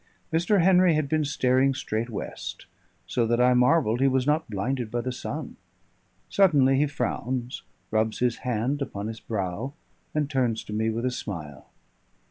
Mr. Henry had been staring straight west, so that I marvelled he was not blinded by the sun; suddenly he frowns, rubs his hand upon his brow, and turns to me with a smile.